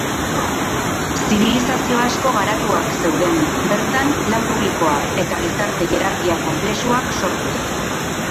Zibilizazio asko garatuak zeuden, bertan lan publikoak eta gizarte hierarkia konplexuak sortuz.